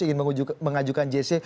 ingin mengajukan jc